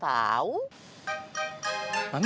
tau dari mana mi